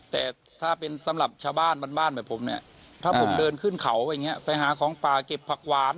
แต่ถ้าเป็นสำหรับชาวบ้านบ้านแบบผมเนี่ยถ้าผมเดินขึ้นเขาอย่างนี้ไปหาของป่าเก็บผักหวาน